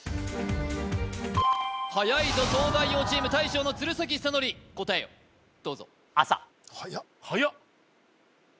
はやいぞ東大王チーム大将の鶴崎修功答えをどうぞはやっはやっ